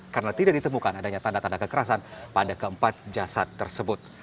karena tidak ditemukan adanya tanda tanda kekerasan pada keempat jasad tersebut